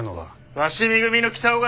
鷲見組の北岡だ！